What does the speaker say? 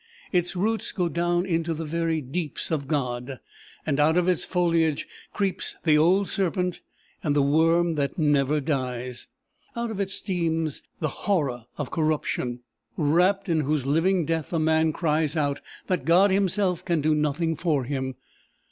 Its roots go down into the very deeps of God, and out of its foliage creeps the old serpent, and the worm that never dies! Out of it steams the horror of corruption, wrapt in whose living death a man cries out that God himself can do nothing for him.